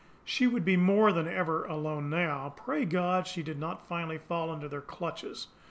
She would be more than ever alone now. Pray God she did not finally fall into their clutches!